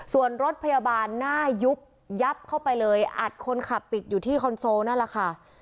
ส่วนรถพยาบาลหน้ายุบยับเข้าไปเลยอัดคนขับติดอยู่ที่คอนโซลนั่นแหละค่ะ